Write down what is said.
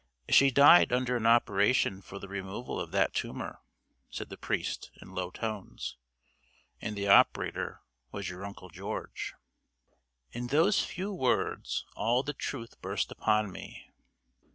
"She died under an operation for the removal of that tumor," said the priest, in low tones; "and the operator was your Uncle George." In those few words all the truth burst upon me.